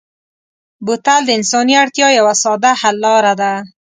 بوتل د انساني اړتیا یوه ساده حل لاره ده.